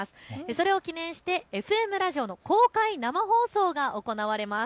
それを記念してＦＭラジオの公開生放送が行われます。